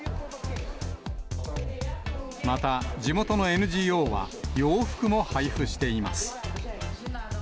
また、地元のＮＧＯは、洋服も配布しています。